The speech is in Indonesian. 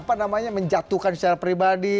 pak jokowi ingin menjatuhkan secara pribadi